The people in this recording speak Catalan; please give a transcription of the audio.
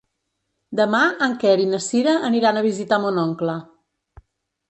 Demà en Quer i na Cira aniran a visitar mon oncle.